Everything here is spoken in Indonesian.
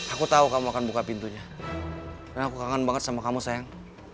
aku tahu kamu akan buka pintunya aku kangen banget sama kamu sayang